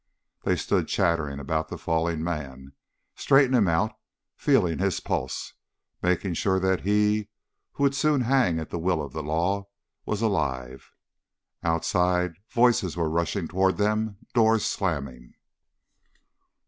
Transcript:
They stood chattering about the fallen man, straightening him out, feeling his pulse, making sure that he, who would soon hang at the will of the law, was alive. Outside, voices were rushing toward them, doors slamming.